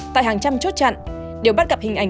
tại hàng trăm chốt chặn đều bắt gặp hình ảnh